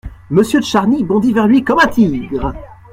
Monsieur de Charny bondit vers lui comme un tigre.